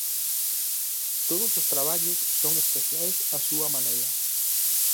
Todos os traballos son especiais á súa maneira.